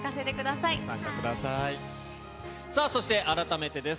さあ、そして改めてです。